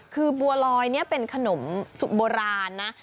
คือบัวลอยนี่เป็นขนมโบราณนะ